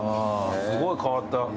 すごい変わった。